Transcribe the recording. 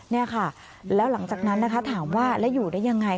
นี่ค่ะแล้วหลังจากนั้นนะคะถามว่าแล้วอยู่ได้ยังไง